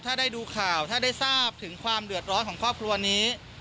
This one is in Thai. ถ้าได้ดูข่าวถ้าได้ทราบถึงความเดือดร้อนของครอบครัวนี้